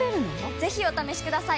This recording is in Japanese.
ぜひお試しください！